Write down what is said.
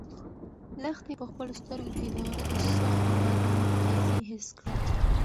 لښتې په خپلو سترګو کې د غره د سختو بادونو تېزي حس کړه.